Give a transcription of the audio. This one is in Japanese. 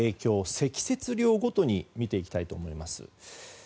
積雪量ごとに見ていきたいと思います。